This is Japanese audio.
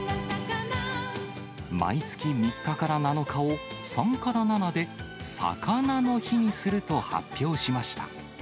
毎月３日から７日をさんからななでさかなの日にすると発表しました。